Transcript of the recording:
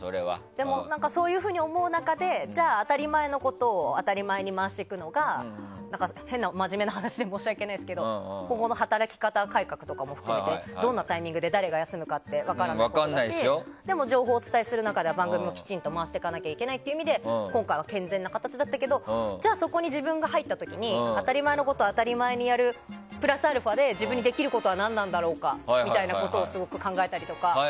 でもそういうふうに思う中でじゃあ当たり前のことを当たり前に回していくのが変な、まじめな話で申し訳ないですけどここの働き方改革も含めてどんなタイミングで誰が休むかって分からないことだしでも情報をお伝えする中では番組をきちんと回していかなければいけない中で今回は健全な形だったけどじゃあ、そこに自分が入った時に当たり前のことを当たり前にやるプラスアルファで自分にできることは何だろうかって考えたりとか。